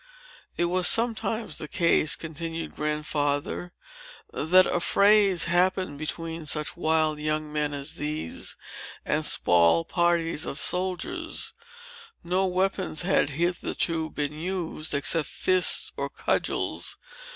"It was sometimes the case," continued Grandfather, "that affrays happened between such wild young men as these, and small parties of the soldiers. No weapons had hitherto been used, except fists or cudgels.